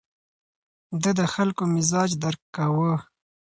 ده د خلکو مزاج درک کاوه.